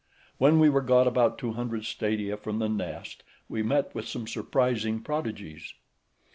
When we were got about two hundred stadia from the nest, we met with some surprising prodigies.